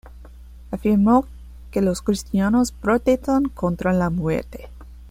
Afirmó que los cristianos "protestan contra la muerte".